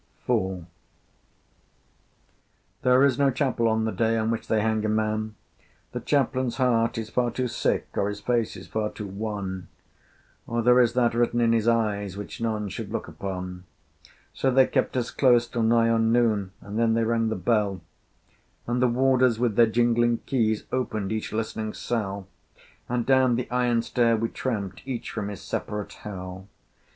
IV. There is no chapel on the day On which they hang a man: The Chaplain's heart is far too sick, Or his face is far to wan, Or there is that written in his eyes Which none should look upon. So they kept us close till nigh on noon, And then they rang the bell, And the Warders with their jingling keys Opened each listening cell, And down the iron stair we tramped, Each from his separate Hell.